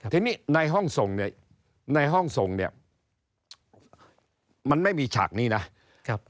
ทีนี้ในห้องส่งเนี่ยมันไม่มีฉากนี้นะ